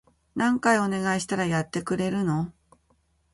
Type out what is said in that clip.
何回お願いしたらやってくれるの？